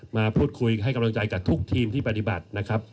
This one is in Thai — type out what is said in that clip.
มาพูดคุยให้กำลังใจกับทุกทีมที่ปฏิบัตินะครับ